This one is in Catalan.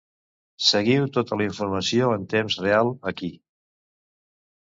Seguiu tota la informació en temps real aquí.